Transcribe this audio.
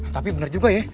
tapi bener juga ya